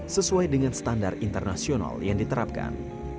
sesuai dengan standar internasional yang diterapkan